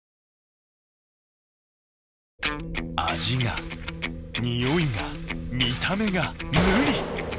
味がにおいが見た目が無理！